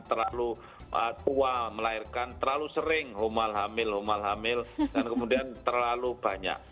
terlalu tua melahirkan terlalu sering homal hamil homal hamil dan kemudian terlalu banyak